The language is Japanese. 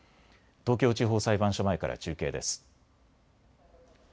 東京地方裁判所前から中継です。